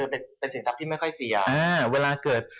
เป็นสินทรัพย์ที่ไม่ค่อยเสีย